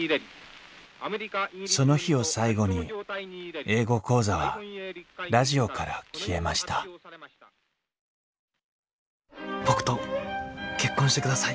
その日を最後に「英語講座」はラジオから消えました僕と結婚してください。